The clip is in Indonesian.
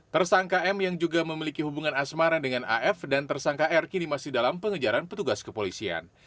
tersangka m yang juga memiliki hubungan asmara dengan af dan tersangka r kini masih dalam pengejaran petugas kepolisian